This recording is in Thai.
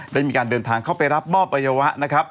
ได้มีการเดินทางเข้าไปรับมอบอัยวะนะครับ